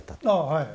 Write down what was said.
ああはい。